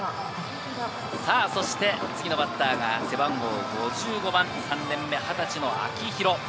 そして次のバッターが、背番号５５番、３年目、二十歳の秋広。